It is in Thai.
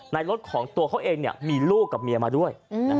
รถของตัวเขาเองมีลูกกับเมียมาด้วย